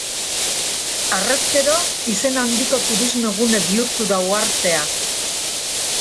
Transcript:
Harrezkero, izen handiko turismo-gune bihurtu da uhartea.